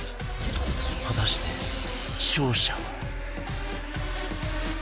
果たして勝者は？